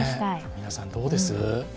皆さんどうです？